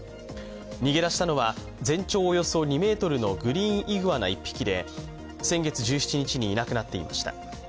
逃げ出したのは全長およそ２ｍのグリーンイグアナ１匹で先月１７日にいなくなっていました。